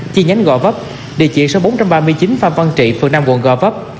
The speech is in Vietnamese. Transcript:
chi nhánh gò vấp địa chỉ số bốn trăm ba mươi chín phan văn trị phường năm quận gò vấp